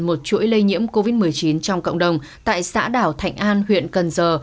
một chuỗi lây nhiễm covid một mươi chín trong cộng đồng tại xã đảo thạnh an huyện cần giờ